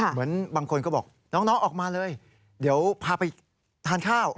เหมือนบางคนก็บอกน้องออกมาเลยเดี๋ยวพาไปทานข้าว